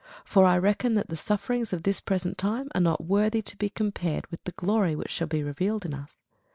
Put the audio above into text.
For I reckon that the sufferings of this present time are not worthy to be compared with the glory which shall be revealed in us.